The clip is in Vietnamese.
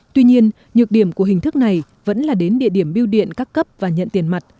tuy nhiên nhược điểm của hình thức này vẫn là đến địa điểm biêu điện các cấp và nhận tiền mặt